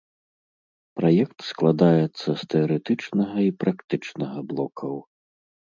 Праект складаецца з тэарэтычнага і практычнага блокаў.